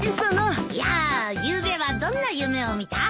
やあゆうべはどんな夢を見た？